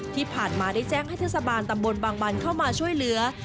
ที่ผ่านมาได้แจ้งให้เทศบาลตำบลบางบันเข้ามาช่วยเหลือ